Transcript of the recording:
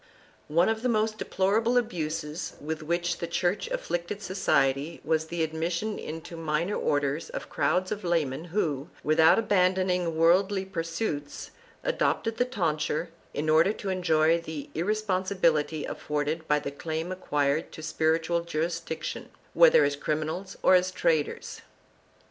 2 One of the most deplorable abuses with which the Church afflicted society was the admission into the minor orders of crowds of laymen who, without abandoning worldly pursuits, adopted the tonsure in order to enjoy the irresponsibility afforded by the claim acquired to spiritual jurisdiction, whether as crimin als or as traders.